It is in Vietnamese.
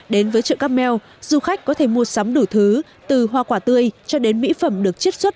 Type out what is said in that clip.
đến với chợ cáp mell du khách có thể mua sắm đủ thứ từ hoa quả tươi cho đến mỹ phẩm được chiết xuất